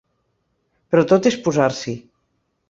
Però tot és posar-s'hi.